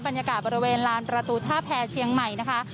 บรรยากาศบริเวณลานประตูท่าแพรเชียงใหม่นะคะ